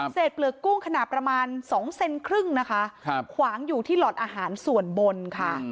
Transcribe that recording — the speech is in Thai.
เปลือกกุ้งขนาดประมาณ๒เซนครึ่งนะคะขวางอยู่ที่หลอดอาหารส่วนบนค่ะ